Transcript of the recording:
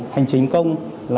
hành chính công